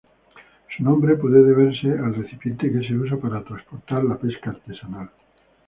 Su nombre puede deberse al recipiente que se usa para transportar la pesca artesanal.